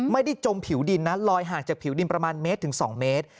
ไม่ได้จมผิวดินนั้นลอยห่างจากผิวดินประมาณ๑๒เมตร